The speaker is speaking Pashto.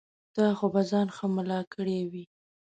تا خو به ځان ښه ملا کړی وي.